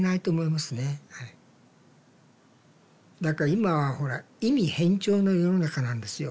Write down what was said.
今はほら意味偏重の世の中なんですよ。